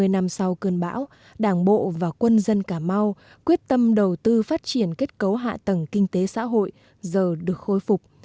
ba mươi năm sau cơn bão đảng bộ và quân dân cà mau quyết tâm đầu tư phát triển kết cấu hạ tầng kinh tế xã hội giờ được khôi phục